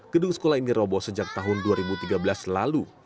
gedung sekolah ini roboh sejak tahun dua ribu tiga belas lalu